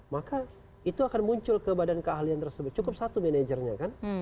maka itu akan muncul ke badan keahlian tersebut cukup satu manajernya kan